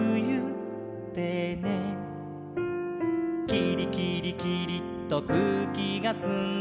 「キリキリキリっとくうきがすんで」